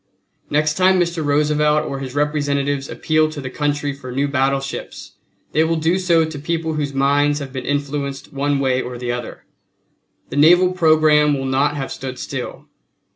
Next time Mr. Roosevelt or his representatives appeal to the country for new battleships they will do so to people whose minds have been influenced one way or the other. The naval programme will not have stood still.